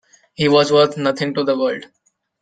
He was worth nothing to the world.